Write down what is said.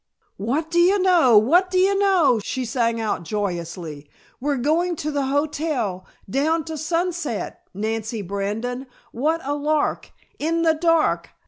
"What do you know! What do you know!" she sang out joyously. "We're going to the hotel! Down to Sunset! Nancy Brandon, what a lark! In the dark!